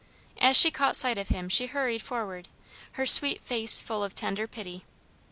As she caught sight of him she hurried forward, her sweet face full of tender pity.